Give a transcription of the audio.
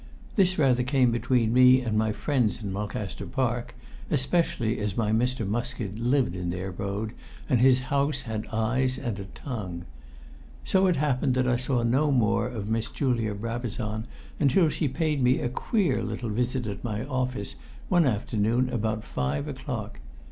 This rather came between me and my friends in Mulcaster Park, especially as my Mr. Muskett lived in their road, and his house had eyes and a tongue. So it happened that I saw no more of Miss Julia Brabazon until she paid me a queer little visit at my office one afternoon about five o'clock.